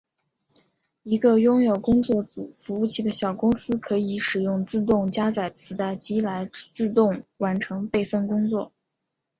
一个拥有工作组服务器的小公司可以使用自动加载磁带机来自动完成备份工作。